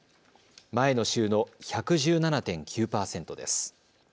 前の週の１１７．９％です。